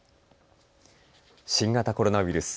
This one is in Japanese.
新型コロナウイルス。